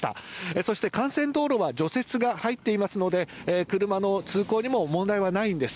そして幹線道路は除雪が入っていますので車の通行にも問題はないんです。